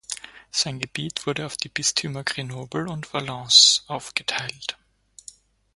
Sein Gebiet wurde auf die Bistümer Grenoble und Valence aufgeteilt.